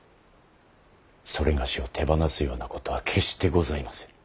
某を手放すようなことは決してございませぬ。